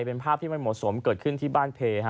เป็นภาพที่ไม่เหมาะสมเกิดขึ้นที่บ้านเพ